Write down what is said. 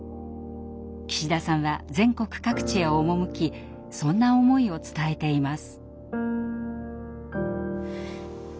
岸田さんは全国各地へ赴きそんな思いを伝えています。